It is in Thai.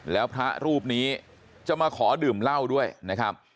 แล้วพระรูปนี้จะมาขอดื่มเหล้าด้วยนะครับ